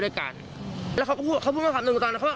ด้วยกันแล้วเขาก็พูดเขาพูดมาคำหนึ่งตอนนั้นเขาว่า